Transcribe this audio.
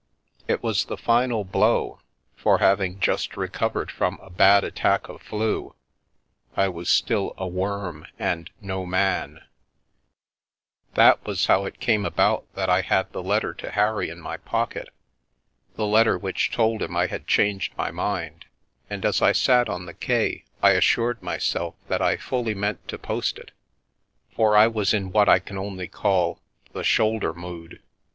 It was the final blow, for having just recovered from a bad attack of " flu," I was still a worm and no man. 11 The Milky Way That was how it came about that I had the letter to Harry in my pocket — the letter which told him I had changed my mind, and as I sat on the quay I assured myself that I fully meant to post it — for I was in what I can only call " the shoulder mood."